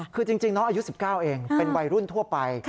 คือจริงน้องอายุ๑๙เองเป็นวัยรุ่นทั่วไป